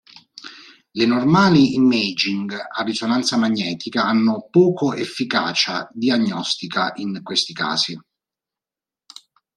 Le normali Imaging a risonanza magnetica hanno poco efficacia diagnostica in questi casi.